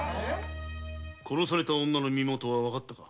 殺された女の身元は分かったのか？